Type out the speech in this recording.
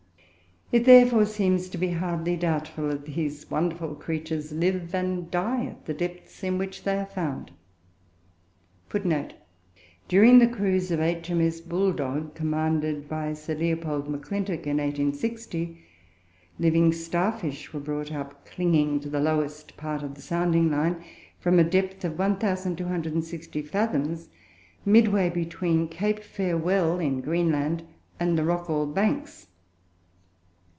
It therefore seems to be hardly doubtful that these wonderful creatures live and die at the depths in which they are found. [Footnote 2: During the cruise of H.M.S. Bulldog, commanded by Sir Leopold M'Clintock, in 1860, living star fish were brought up, clinging to the lowest part of the sounding line, from a depth of 1,260 fathoms, midway between Cape Farewell, in Greenland, and the Rockall banks.